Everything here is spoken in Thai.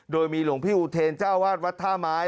โดยมีหลวงพี่อุเทรนเจ้าวาดวัดท่าไม้